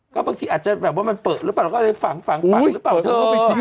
ก็บางทีอาจจะแบบว่ามันเปิดรึเปล่าก็จะไปฝังรึเปล่าเธอ